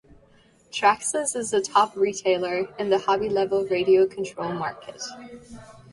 Traxxas is a top retailer in the hobby level radio control market.